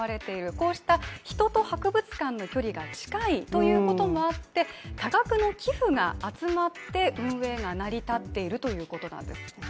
こうした、人と博物館の距離が近いということもあって多額の寄付が集まって運営が成り立っているということなんです。